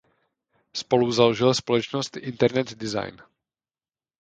Spoluzaložil společnost Internet Design.